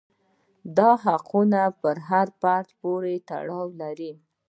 دا حقوق پر هر فرد پورې اړه لري.